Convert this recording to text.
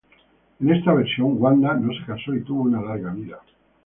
En esta versión Wanda no se casó y tuvo una larga vida.